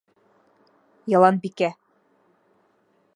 Яланбикә: